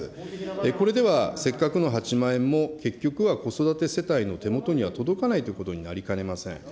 これではせっかくの８万円も、結局は子育て世帯の手元には届かないということになりかねません。